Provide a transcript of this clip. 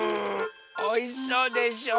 おいしそうでしょ？